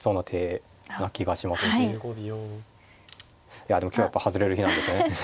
いやでも今日はやっぱ外れる日なんですね。